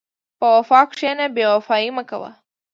په وفا کښېنه، بېوفایي مه کوه.